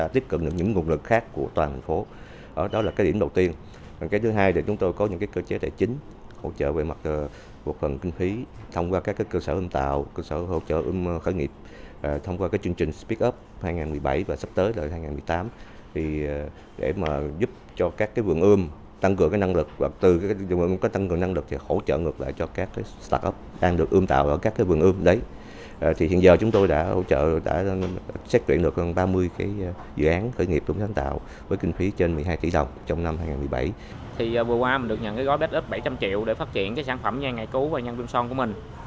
để phát triển cái sản phẩm nhanh ngày cứu và nhân viên son của mình